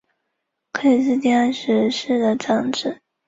克里斯蒂安十世的长子。